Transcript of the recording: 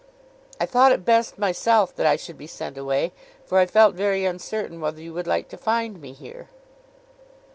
'I thought it best myself that I should be sent away, for I felt very uncertain whether you would like to find me here.